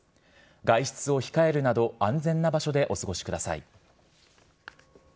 外出を控えるなど、安全な場所でお過ごしください。